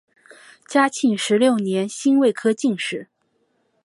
嘉庆十六年辛未科进士。